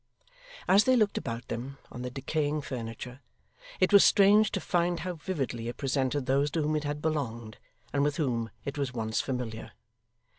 As they looked about them on the decaying furniture, it was strange to find how vividly it presented those to whom it had belonged, and with whom it was once familiar.